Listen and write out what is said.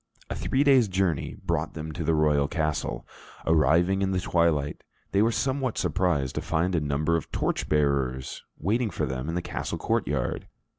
A three days' journey brought them to the royal castle. Arriving in the twilight, they were somewhat surprised to find a number of torchbearers waiting for them in the castle courtyard.